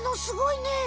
すごいね！